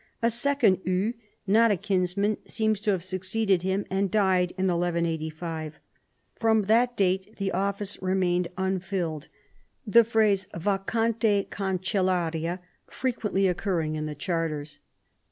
A second Hugh, not a kinsman, seems to have succeeded him and died in 1185. From that date the office remained unfilled, the phrase vacante cancellaria frequently occurring in the charters.